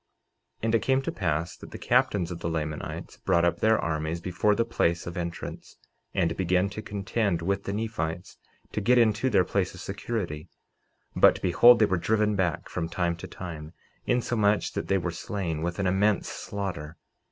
49:21 And it came to pass that the captains of the Lamanites brought up their armies before the place of entrance, and began to contend with the Nephites, to get into their place of security; but behold, they were driven back from time to time, insomuch that they were slain with an immense slaughter.